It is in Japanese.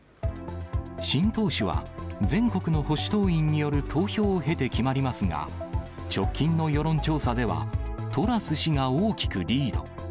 新党首は全国の保守党員による投票を経て決まりますが、直近の世論調査では、トラス氏が大きくリード。